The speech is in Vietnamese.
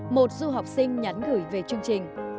một du học sinh nhắn gửi về chương trình